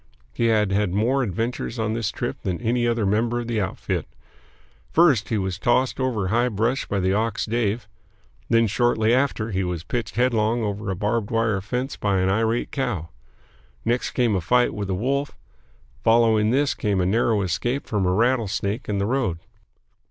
He had had more adventures on this trip than any other member of the outfit. First he was tossed over a high brush by the ox Dave; then, shortly after, he was pitched headlong over a barbed wire fence by an irate cow. Next came a fight with a wolf; following this, came a narrow escape from a rattlesnake in the road.